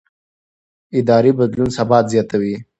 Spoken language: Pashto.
اداري بدلون ثبات زیاتوي